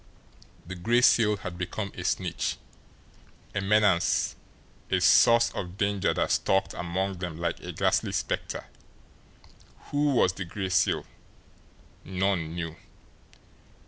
The Gray Seal had become a snitch, a menace, a source of danger that stalked among them like a ghastly spectre. Who was the Gray Seal? None knew.